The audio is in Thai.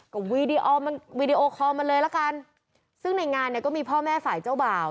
ก็วีดีโอคอมมันเลยละกันซึ่งในงานก็มีพ่อแม่ฝ่ายเจ้าบ่าว